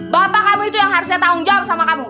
bapak kamu itu yang harusnya tanggung jawab sama kamu